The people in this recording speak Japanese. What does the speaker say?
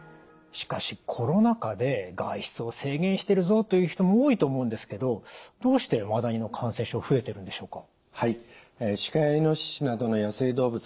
しかしコロナ禍で外出を制限してるぞという人も多いと思うんですけどどうしてマダニの感染症増えてるんでしょうか？